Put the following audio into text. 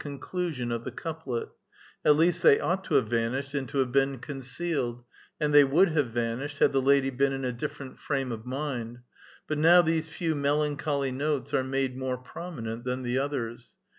5 conclusion of the couplet, — at least they ought to have van ished and to have been concealed, and they would hate van ished had the lady been in a different frame of mind ; but now these few melancholy notes are made more prominent than the others.